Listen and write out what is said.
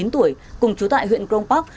một mươi chín tuổi cùng chú tại huyện crong park